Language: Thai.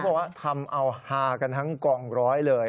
บอกว่าทำเอาฮากันทั้งกองร้อยเลย